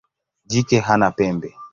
Jike hana pembe.